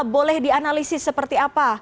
boleh dianalisis seperti apa